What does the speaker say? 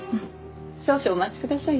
少々お待ちくださいね。